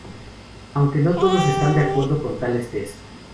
Aunque no todos están de acuerdo con tales tests.